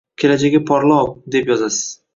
kelajagi porloq!” deb yozasiz.